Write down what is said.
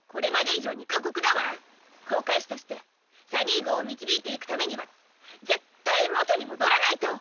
航海士としてサニー号を導いていくためには絶対元に戻らないと。